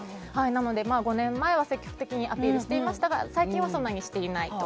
なので５年前は積極的にアピールしていましたが最近はそんなにしていないと。